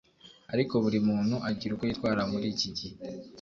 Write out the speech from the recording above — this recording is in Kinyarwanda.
ariko buri muntu agira uko yitwara muri iki gihe